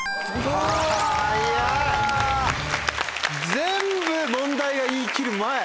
全部問題を言い切る前。